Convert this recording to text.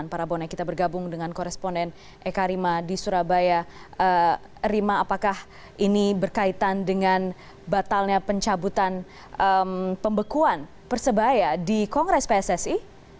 pembekuan persebaya di kongres pssi